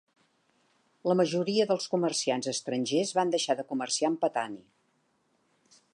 La majoria dels comerciants estrangers van deixar de comerciar amb Patani.